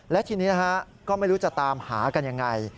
และทีนี้ก็ไม่รู้จะตามหากันอย่างไร